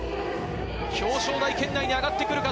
表彰台圏内に上がってくるか？